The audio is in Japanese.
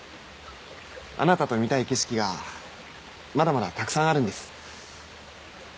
あなたと見たい景色がまだまだたくさんあるんです。